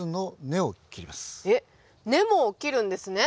根も切るんですね？